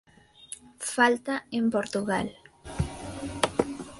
Falta en Portugal.